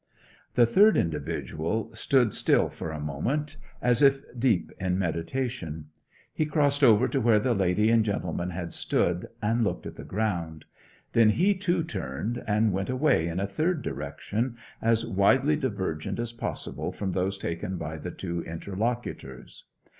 The third individual stood still for a moment, as if deep in meditation. He crossed over to where the lady and gentleman had stood, and looked at the ground; then he too turned and went away in a third direction, as widely divergent as possible from those taken by the two interlocutors.